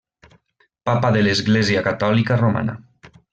Papa de l'Església Catòlica Romana.